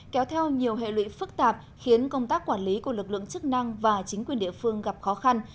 kéo theo nhiều hệ lụy phức tạp khiến công tác quản lý của lực lượng chức năng và chính quyền địa phương gặp khó khăn